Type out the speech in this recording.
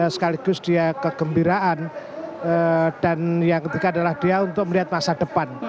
sekaligus dia kegembiraan dan yang ketiga adalah dia untuk melihat masa depan